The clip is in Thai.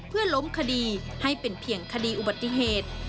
เพื่อล้มคดีให้เป็นเพียงคดีอุบัติเหตุ